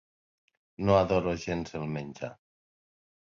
No adoro gens el menjar.